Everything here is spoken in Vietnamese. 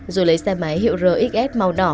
rồi lấy xe máy hiệu rơ xs màu đỏ